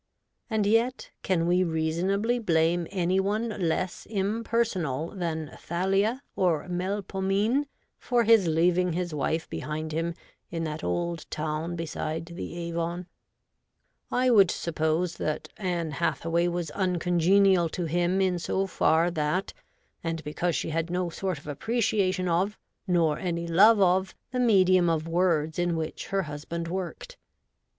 And yet can we reasonably blame any one less impersonal than Thalia or Melpomene for his leaving his wife behind him in that old town beside the Avon ? I would suppose that Ann Hathaway was uncongenial to him in so far that, and because she had no sort of appreciation of, nor any love of, the medium of words in which her husband worked.